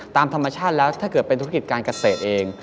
ตามธรรมชาติแล้วถ้าเกิดเป็นธุรกิจการเกษตรเอง